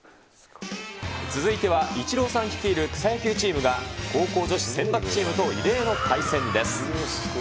続いてはイチローさん率いる草野球チームが、高校女子選抜チームと異例の対戦です。